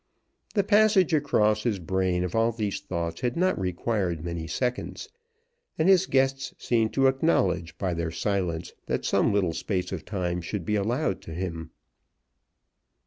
The passage across his brain of all these thoughts had not required many seconds, and his guests seemed to acknowledge by their silence that some little space of time should be allowed to him.